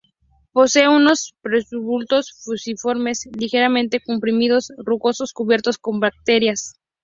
Poseen unos pseudobulbos fusiformes ligeramente comprimidos, rugosos cubiertos con brácteas.